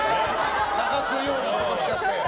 泣かすようなことしちゃって。